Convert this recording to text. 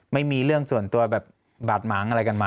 ไม่มีเรื่องส่วนตัวแบบบาดหมางอะไรกันมา